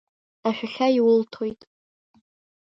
Ашәахьа иулҭоит.